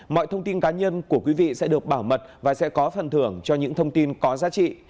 mọi thông tin cá nhân của quý vị sẽ được bảo mật và sẽ có phần thưởng cho những thông tin có giá trị